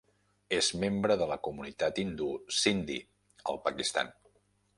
És membre de la comunitat hindú Sindhi al Pakistan.